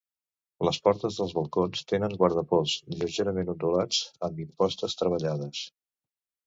Les portes dels balcons tenen guardapols lleugerament ondulats amb impostes treballades.